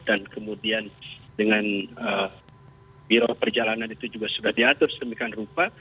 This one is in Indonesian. dan kemudian dengan biro perjalanan itu juga sudah diatur sedemikian rupa